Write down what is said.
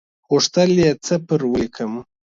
غوښتل یې څه پر ولیکم.